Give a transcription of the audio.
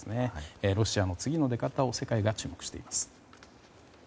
ロシアの次の出方を世界が注目しています。